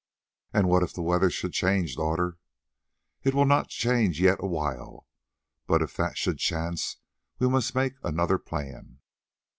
"And what if the weather should change, daughter?" "It will not change yet awhile; but if that should chance, we must make another plan."